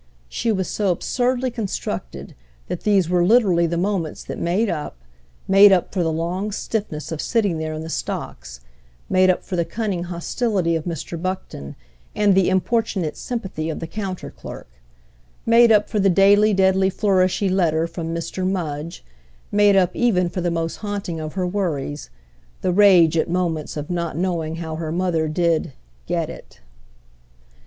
She was so absurdly constructed that these were literally the moments that made up—made up for the long stiffness of sitting there in the stocks, made up for the cunning hostility of Mr. Buckton and the importunate sympathy of the counter clerk, made up for the daily deadly flourishy letter from Mr. Mudge, made up even for the most haunting of her worries, the rage at moments of not knowing how her mother did "get it."